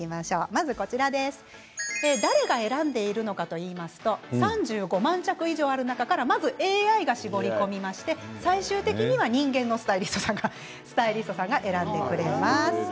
まず誰が選んでいるのかといいますと３５万着以上ある中からまずはＡＩが絞り込みまして最終的には人間のスタイリストさんが選んでくれます。